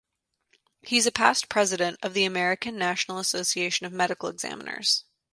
He is a past president of the American National Association of Medical Examiners.